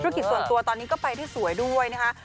กิจส่วนตัวตอนนี้ก็ไปได้สวยด้วยนะคะ